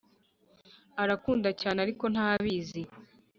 arankunda cyane, ariko ntabizi